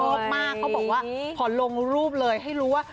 มากเขาบอกว่าขอลงรูปเลยให้รู้ว่า